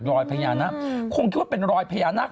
รอยพญานาคคงคิดว่าเป็นรอยพญานาค